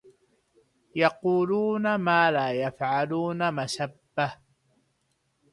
يقولون ما لا يفعلون مسبة